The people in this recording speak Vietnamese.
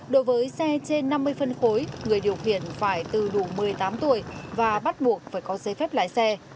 đối với xe trên năm mươi phân khối người điều khiển phải từ đủ một mươi tám tuổi và bắt buộc phải có giấy phép lái xe